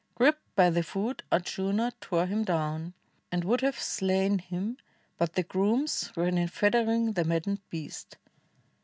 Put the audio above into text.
Gripped by the foot Ardjuna, tore him down. And would have slain him, but the grooms ran in Fettering the maddened beast.